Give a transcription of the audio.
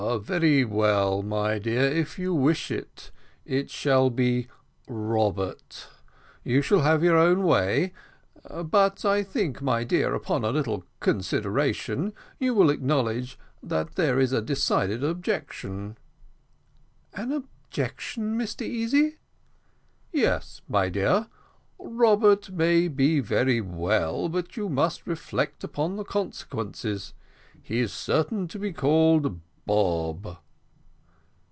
"Very well, my dear, if you wish it, it shall be Robert. You shall have your own way. But I think, my dear, upon a little consideration, you will acknowledge that there is a decided objection." "An objection, Mr Easy?" "Yes, my dear; Robert may be very well, but you must reflect upon the consequences; he is certain to be called Bob."